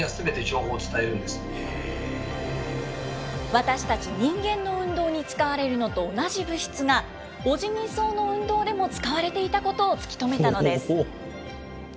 私たち人間の運動に使われるのと同じ物質が、オジギソウの運動でも使われていたことを突き止めたのです。